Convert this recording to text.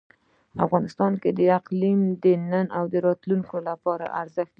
افغانستان کې اقلیم د نن او راتلونکي لپاره ارزښت لري.